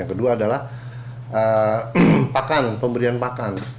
yang kedua adalah pakan pemberian pakan